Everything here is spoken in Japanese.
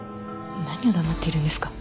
何黙っているんですか。